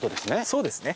そうですね。